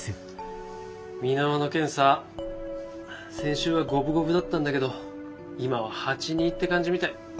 美ノ和の件さ先週は五分五分だったんだけど今は８：２って感じみたい。